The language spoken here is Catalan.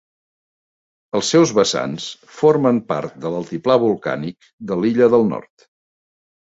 Els seus vessants formen part de l'altiplà volcànic de l'illa del nord.